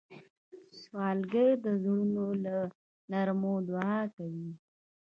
سوالګر د زړونو له نرمو دعا کوي